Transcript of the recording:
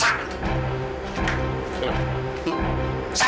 untuk membunuh seperti kamu